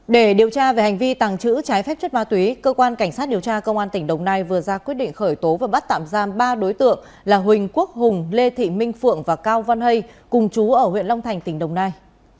để điều tra về hành vi tàng trữ trái phép chất ma túy cơ quan cảnh sát điều tra công an tỉnh đồng nai vừa ra quyết định khởi tố và bắt tạm giam ba đối tượng là huỳnh quốc hùng lê thị minh phượng và cao văn hay cùng chú ở huyện long thành tỉnh đồng nai